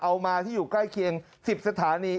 มาที่อยู่ใกล้เคียง๑๐สถานี